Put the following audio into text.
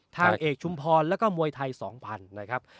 ทางเอกชุมพรแล้วก็มวยไทย๒๐๐นะครับ